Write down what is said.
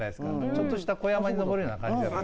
ちょっとした小山に登る感じ。